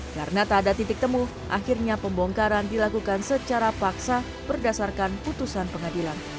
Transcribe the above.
karena tak ada titik temu akhirnya pembongkaran dilakukan secara paksa berdasarkan putusan pengadilan